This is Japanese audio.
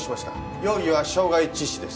容疑は傷害致死です。